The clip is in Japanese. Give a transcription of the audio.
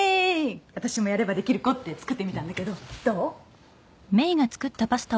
私もやればできる子って作ってみたんだけどどう？